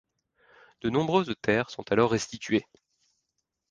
De nombreuses terres sont alors restituées.